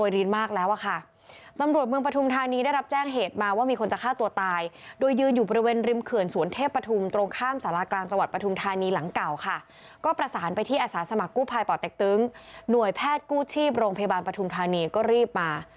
รถกู้ชีพโรงพยาบาลประทุมธานีก็รีบมา